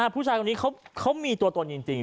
ผู้ชายคนนี้เขามีตัวตนจริง